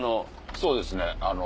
そうですね。